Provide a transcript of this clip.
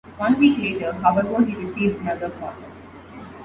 One week later, however, he received another call.